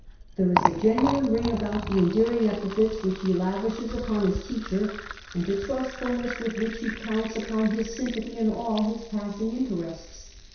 There is a genuine ring about the endearing epithets which he lavishes upon his teacher, and a trustfulness with which he counts upon his sym pathy in all his passing interests.